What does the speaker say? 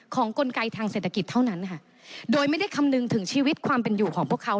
กลไกทางเศรษฐกิจเท่านั้นค่ะโดยไม่ได้คำนึงถึงชีวิตความเป็นอยู่ของพวกเขา